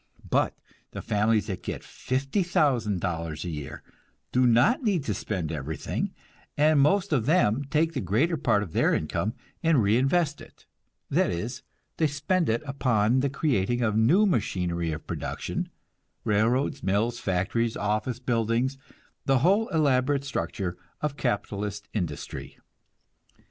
But the families that get $50,000 a year do not need to spend everything, and most of them take the greater part of their income and reinvest it that is, they spend it upon the creating of new machinery of production, railroads, mills, factories, office buildings, the whole elaborate structure of capitalist industry.